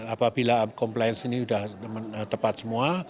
apabila compliance ini sudah tepat semua